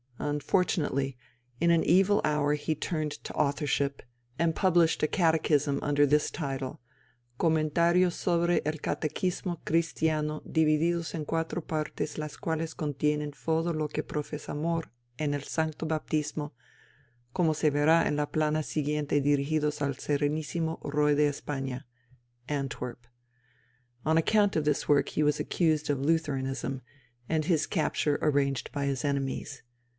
Unfortunately in an evil hour he turned to authorship, and published a catechism under this title: _Commentarios sobre el Catequismo Cristiano divididos en quatro partes las quales contienen fodo loque professamor en el sancto baptismo, como se vera en la plana seguiente dirigidos al serenissimo Roy de España_ (Antwerp). On account of this work he was accused of Lutheranism, and his capture arranged by his enemies.